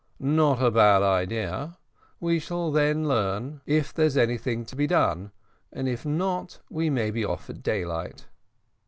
"Not a bad idea; we shall then learn if there is anything to be done, and if not, we may be off at daylight."